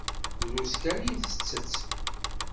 Drus kan i tettett.